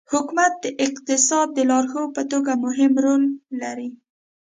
حکومت د اقتصاد د لارښود په توګه مهم رول لري.